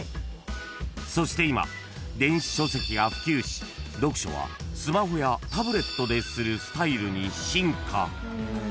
［そして今電子書籍が普及し読書はスマホやタブレットでするスタイルに進化］